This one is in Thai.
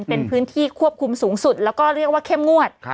เป็นพื้นที่ควบคุมสูงสุดแล้วก็เรียกว่าเข้มงวด